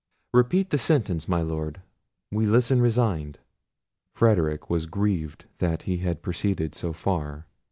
Repeat the sentence, my Lord; we listen resigned." Frederic was grieved that he had proceeded so far.